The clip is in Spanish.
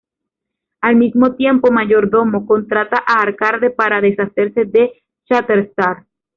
Al mismo tiempo, Mayor Domo contrata a Arcade para deshacerse de Shatterstar.